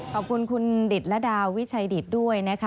ขอบคุณคุณดิตระดาวิชัยดิตด้วยนะคะ